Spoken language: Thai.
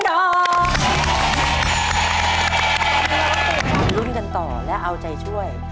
มาลุ้นกันต่อและเอาใจช่วย